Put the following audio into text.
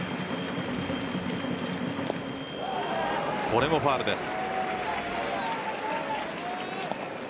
これもファウルです。